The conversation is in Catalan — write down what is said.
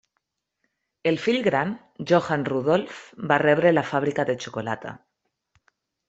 El fill gran, Johann Rudolf, va rebre la fàbrica de xocolata.